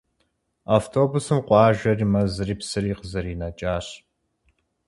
Автобусым къуажэри, мэзри, псыри къызэринэкӏащ.